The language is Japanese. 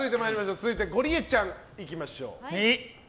続いてゴリエちゃんいきましょう。